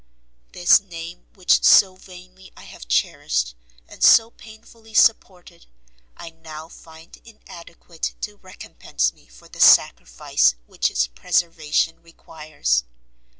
This name which so vainly I have cherished and so painfully supported, I now find inadequate to recompense me for the sacrifice which its preservation requires.